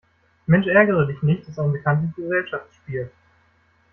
Mensch-Ärgere-Dich-nicht ist ein bekanntes Gesellschaftsspiel.